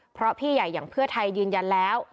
เพราะพี่ใหญ่อย่างเพื่อไทยยืนยันแล้ว